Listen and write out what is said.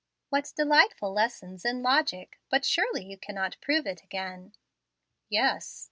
"What delightful lessons in logic! But you surely cannot prove it again." "Yes.